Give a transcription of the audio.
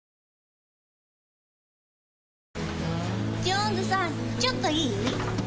ジョーンズさんちょっといい？